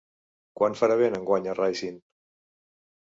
Quan farà vent enguany a Racine?